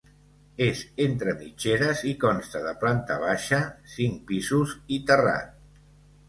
És entre mitgeres i consta de planta baixa, cinc pisos i terrat.